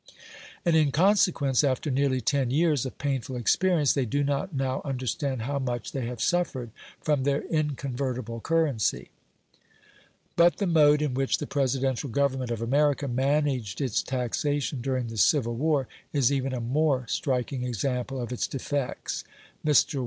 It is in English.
And in consequence, after nearly ten years of painful experience, they do not now understand how much they have suffered from their inconvertible currency. But the mode in which the Presidential government of America managed its taxation during the Civil War, is even a more striking example of its defects. Mr.